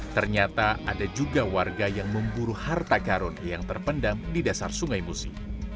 ternyata ada juga warga yang memburu harta karun yang terpendam di dasar sungai musi